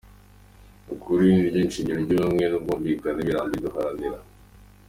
Ukuri ni ryo shingiro ry’ubumwe n’ubwumvikane burambye duharanira.